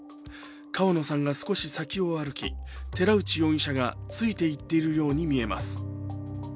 川野さんが少し先を歩き寺内容疑者がついていっているように見えます。